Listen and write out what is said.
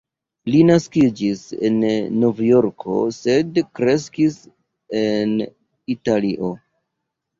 Li naskiĝis en Novjorko, sed kreskis en Italio.